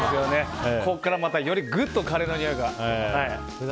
ここからまたよりぐっとカレーのにおいが。